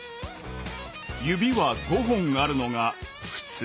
指は５本あるのが「ふつう」？